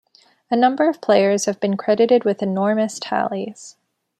A number of players have been credited with enormous tallies.